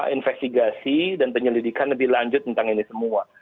investigasi dan penyelidikan lebih lanjut tentang ini semua